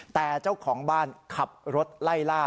แต่เจ้าของบ้านขับรถไล่ล่า